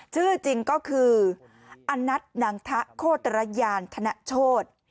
ชื่อจริงก็คืออนัทนังทะโคตรยานธนโชธ